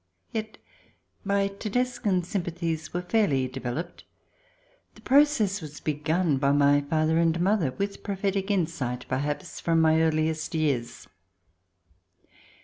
Yet my Tedescan sympathies were fairly de veloped ; the process was begun by my father and mother, with prophetic insight, perhaps, from my earliest years.